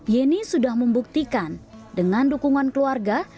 yeni sudah membuktikan dengan dukungan keluarga